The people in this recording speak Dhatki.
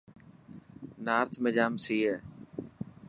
نارٿ ۾ جام سئي هي.